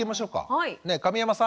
はい。